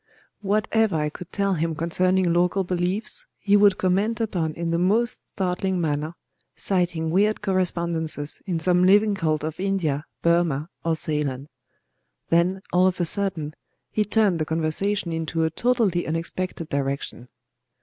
Whatever I could tell him concerning local beliefs, he would comment upon in the most startling manner,—citing weird correspondences in some living cult of India, Burmah, or Ceylon. Then, all of a sudden, he turned the conversation into a totally unexpected direction.